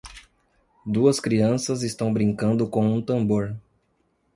Duas crianças estão brincando com um tambor.